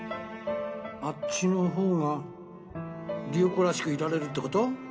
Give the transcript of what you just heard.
あっちのほうが理代子らしくいられるって事？